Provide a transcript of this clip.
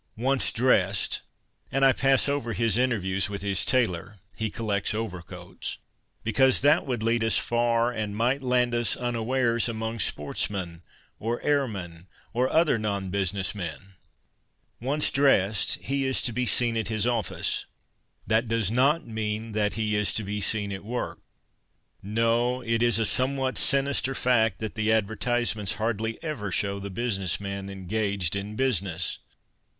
Once dressed — and I pass over his interviews witli his tailor (he collects overcoats), because that would lead us far and might land us, unawares, among sportsmen, or airmen, or other non business men — once dressed, he is to be seen at his office. That does not mean that he is to be seen at work. No, it is a somewhat sinister fact that the advertisements hardly ever show the business man engaged in busi ness.